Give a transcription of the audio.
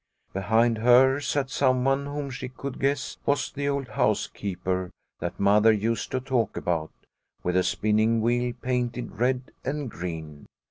Behind her sat someone whom she could guess was the old housekeeper that Mother used to talk about, with a spinning wheel painted red and green.